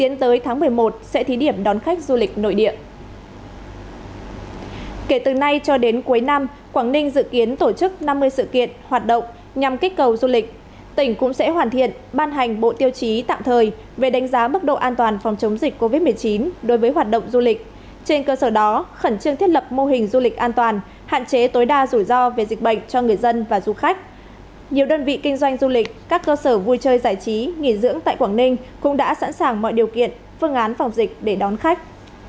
nhiều đơn vị kinh doanh du lịch các cơ sở vui chơi giải trí nghỉ dưỡng tại quảng ninh cũng đã sẵn sàng mọi điều kiện phương án phòng dịch để đón khách